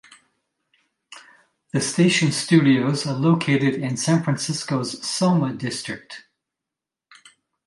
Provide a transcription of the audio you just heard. The station's studios are located in San Francisco's SoMa district.